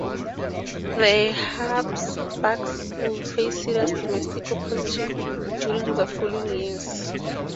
The Habsburgs would face serious domestic opposition during the following years.